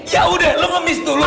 ya udah lo ngemis dulu